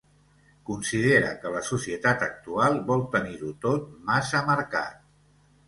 Considera que la societat actual vol tenir-ho tot massa marcat.